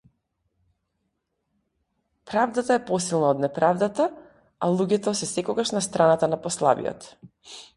Правдата е посилна од неправдата, а луѓето се секогаш на страната на послабиот.